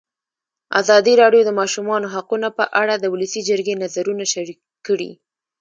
ازادي راډیو د د ماشومانو حقونه په اړه د ولسي جرګې نظرونه شریک کړي.